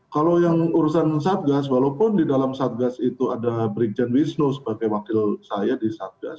kalau yang urusan satgas walaupun di dalam satgas itu ada brigjen wisnu sebagai wakil saya di satgas